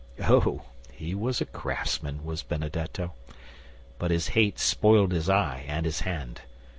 Oh, he was a craftsman, was Benedetto, but his hate spoiled his eye and his hand.